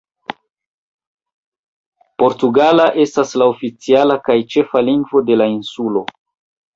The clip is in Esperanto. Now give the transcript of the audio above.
Portugala estas la oficiala kaj ĉefa lingvo de la insulo.